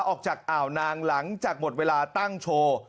อ่าวนางหลังจากหมดเวลาตั้งโชว์